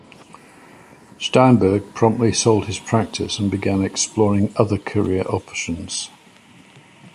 Steinberg promptly sold his practice and began exploring other career options.